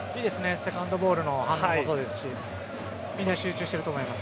セカンドボールの反応もそうですしみんな集中していると思います。